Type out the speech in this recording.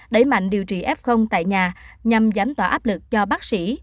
đẩy mạnh điều trị f tại nhà nhằm giảm tỏa áp lực cho bác sĩ